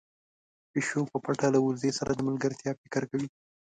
پيشو په پټه له وزې سره د ملګرتيا فکر کوي.